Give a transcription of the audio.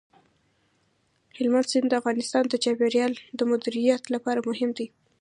هلمند سیند د افغانستان د چاپیریال د مدیریت لپاره مهم دي.